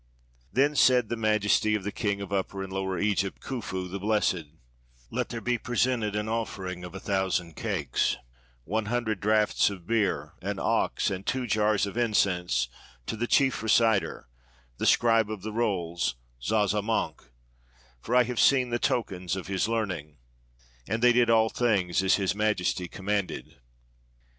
Then said the majesty of the King of Upper and Lower Egypt, Khufu, the blessed, "Let there be pre sented an offering of a thousand cakes, one hundred draughts of beer, an ox, and two jars of incense to the chief reciter, the scribe of the rolls, Zazamankh; for I have seen the tokens of his learning." And they did all things as His Majesty commanded.